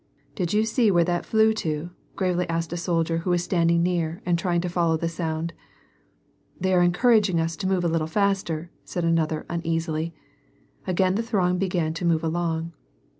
Did you see where that flew to ?" gravely asked a .soldier who was standing near and trying to follow the sound. "They are encouraging us to move a little ftister," said another uneasily. Again the throng began to move along.